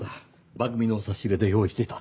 番組の差し入れで用意していた。